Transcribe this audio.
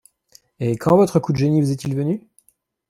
Et quand votre coup de génie vous est-il venu?